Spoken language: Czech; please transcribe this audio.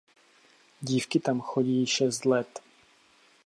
Dívky tam chodí šest let.